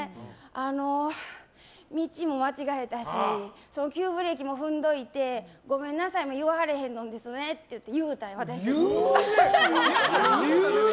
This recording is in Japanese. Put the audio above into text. あの、道も間違えたし急ブレーキも踏んどいてごめんなさいも言わはれへんのですねって言うね！